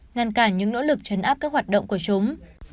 ngăn cản những nỗ lực chấn áp các hoạt động của chúng